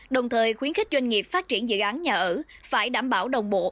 đồng thời khuyến khích doanh nghiệp phát triển dự án nhà ở phải đảm bảo đồng bộ